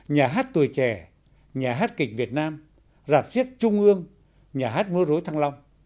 nhà hát tuổi trẻ nhà hát kịch việt nam rạp xiếc trung ương nhà hát mưa rối thăng long